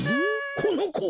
このこは。